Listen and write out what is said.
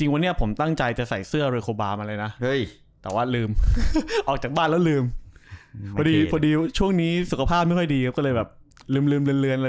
ลืมเรือนอะไรไปเยอะ